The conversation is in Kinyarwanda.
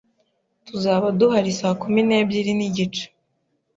Tuzaba duhari saa kumi n'ebyiri n'igice.